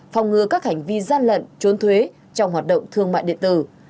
phòng ngừa các hành vi gian lận trốn thuế trong hoạt động thương mại điện tử